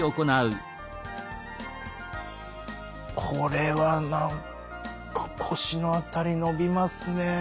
これは何か腰の辺り伸びますね。